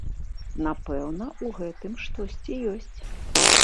Напэўна, у гэтым штосьці ёсць.